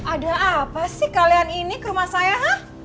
ada apa sih kalian ini ke rumah saya